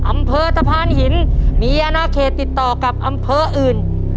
อำเภอตะพานหินมีอนาเขตติดต่อกับอำเภออื่น